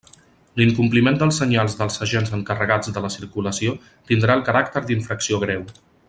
L'incompliment dels senyals dels agents encarregats de la circulació tindrà el caràcter d'infracció greu.